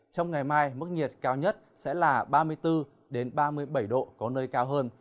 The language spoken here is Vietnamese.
trong ngày mai mức nhiệt cao nhất sẽ là ba mươi bốn ba mươi bảy độ có nơi cao hơn